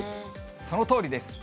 そのとおりです。